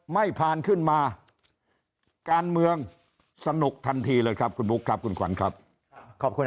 ไม่ผ่านขึ้นมาการเมืองสนุกทันทีเลยครับคุณบุ๊คครับคุณ